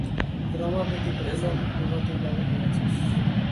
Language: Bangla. রমাপতি কহিলেন, বিভা, তুই পাগল হইয়াছিস।